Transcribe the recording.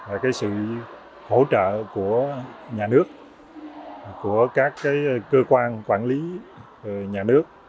và cái sự hỗ trợ của nhà nước của các cơ quan quản lý nhà nước